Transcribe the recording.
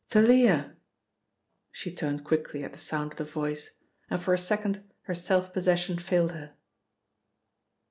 "Thalia!" She turned quickly at the sound of the voice, and for a second her self possession failed her.